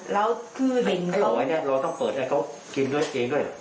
แล้วคือเห็นเขาให้เขาไว้เนี่ยเราต้องเปิดให้เขากินด้วยเองด้วย